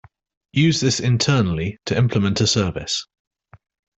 Use this internally to implement a service.